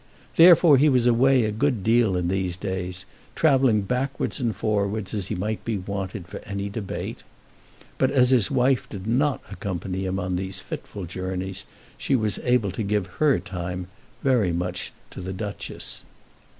Therefore he was away a good deal in these days, travelling backwards and forwards as he might be wanted for any debate. But as his wife did not accompany him on these fitful journeys, she was able to give her time very much to the Duchess.